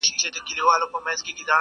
دواړه سم د قلندر په ننداره سول،